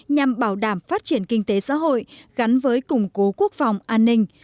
nhằm bảo đảm phát triển kinh tế xã hội gắn với củng cố quốc phòng an ninh